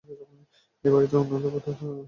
এ বাড়িতে অন্নদাবাবুরা তো এখন কেহ নাই।